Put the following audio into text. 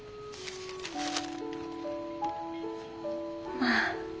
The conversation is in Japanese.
まあ。